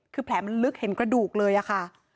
คือแผลมันลึกเห็นกระดูกเลยอะค่ะ